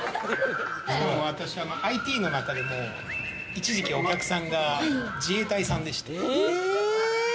私、ＩＴの中でも一時期お客さんが自衛隊さんでして。